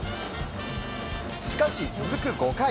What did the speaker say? しかし続く５回。